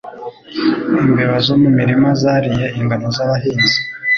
Imbeba zo mu murima zariye ingano z'abahinzi.